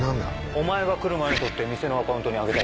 お前が来る前に撮って店のアカウントに上げたやつ。